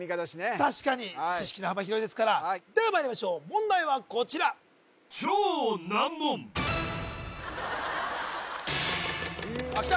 確かに知識の幅広いですからではまいりましょう問題はこちらあっきた！